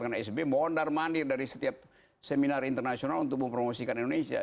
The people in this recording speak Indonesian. karena sbi mondar mandir dari setiap seminar internasional untuk mempromosikan indonesia